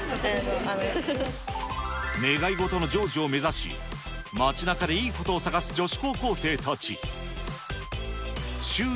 願い事の成就を目指し、街なかでいいことを探す女子高校生たち。